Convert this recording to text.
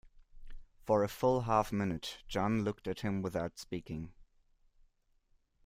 For a full half minute Jeanne looked at him without speaking.